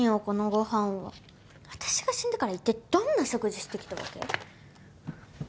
このご飯は私が死んでから一体どんな食事してきたわけ？